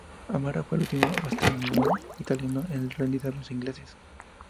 Amara fue el último bastión italiano en rendirse a los ingleses.